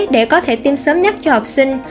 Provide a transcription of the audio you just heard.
để có thể tiêm sớm nhất cho học sinh